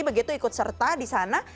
begitu ikut serta di sana